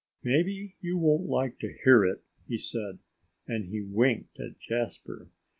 "Maybe you won't like to hear it," he said. And he winked at Jasper.